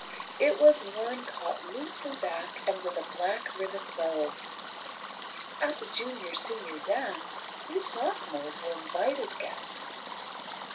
It was worn caught loosely back and with a black ribbon bow. At the Junior Senior dance we sophomores were invited guests